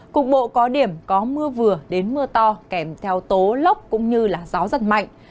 cục bộ có điểm có mưa vừa đến mưa to kèm theo tố lóc cũng như gió rất mạnh